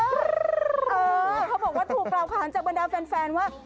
เขาบอกว่าถูกกล่าวค้านจากบรรดาแฟนว่า